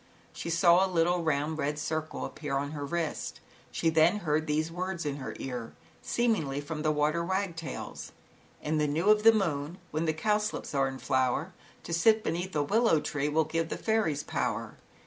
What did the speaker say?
She saw a little round red eirc appear on her wrist. She t] these words in her ear, see: the water wagtails: flower. " In the new of the moon, When the cowslips are hi To sit beneath a willow tree. . Will give the fairies power.